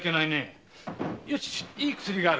よしいい薬がある。